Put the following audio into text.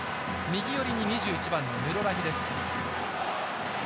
右寄りに２１番のヌロラヒです。